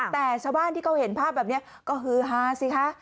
แต่ชาวบ้านที่เขาเห็นภาพแบบนี้ก็ฮือฮาสิคะ